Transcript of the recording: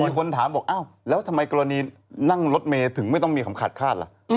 คนถามบอกอ้าวแล้วทำไมกรณีนั่งรถเมย์ถึงไม่ต้องมีคำขาดคาดล่ะ